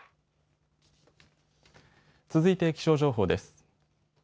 続いて気象情報です。